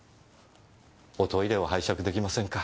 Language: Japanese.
おトイレを拝借出来ませんか？